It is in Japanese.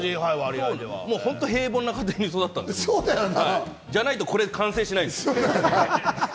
本当に平凡な家庭で育ったんで、そうじゃないとこれは完成しないです。